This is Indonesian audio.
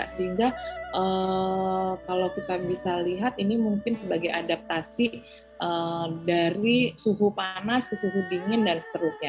sehingga kalau kita bisa lihat ini mungkin sebagai adaptasi dari suhu panas ke suhu dingin dan seterusnya